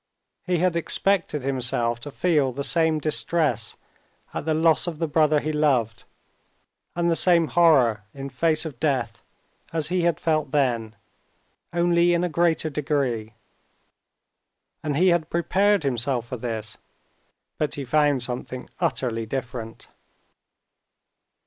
He had expected himself to feel the same distress at the loss of the brother he loved and the same horror in face of death as he had felt then, only in a greater degree. And he had prepared himself for this; but he found something utterly different.